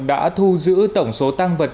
đã thu giữ tổng số tăng vật